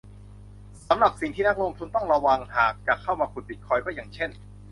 สำหรับสิ่งที่นักลงทุนต้องระวังหากจะเข้ามาขุดบิตคอยน์ก็อย่างเช่น